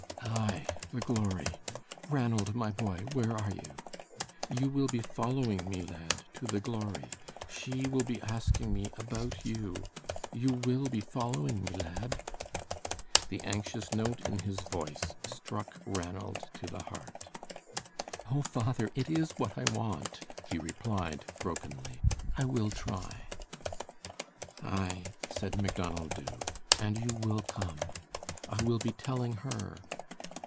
"Aye, the Glory. Ranald, my boy, where are you? You will be following me, lad, to the Glory. SHE will be asking me about you. You will be following me, lad?" The anxious note in his voice struck Ranald to the heart. "Oh, father, it is what I want," he replied, brokenly. "I will try." "Aye," said Macdonald Dubh, "and you will come. I will be telling HER.